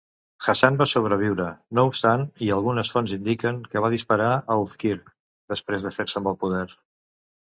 Hassan va sobreviure, no obstant, i algunes fonts indiquen que va disparar a Oufkir després de fer-se amb el poder.